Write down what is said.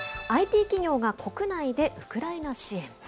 ＩＴ企業が国内でウクライナ支援。